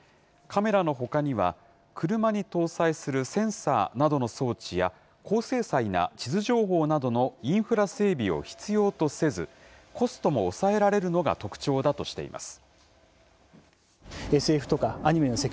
カメラのほかには、車に搭載するセンサーなどの装置や、高精細な地図情報などのインフラ整備を必要とせず、コストも抑えられるのが特徴だとしています。